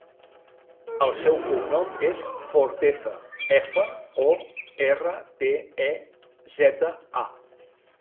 El seu cognom és Forteza: efa, o, erra, te, e, zeta, a.